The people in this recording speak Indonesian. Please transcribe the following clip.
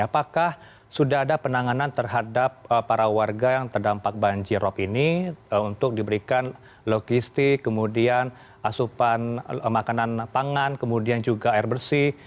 apakah sudah ada penanganan terhadap para warga yang terdampak banjirop ini untuk diberikan logistik kemudian asupan makanan pangan kemudian juga air bersih